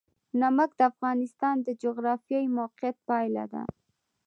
نمک د افغانستان د جغرافیایي موقیعت پایله ده.